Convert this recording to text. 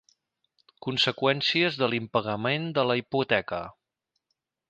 Conseqüències de l'impagament de la hipoteca.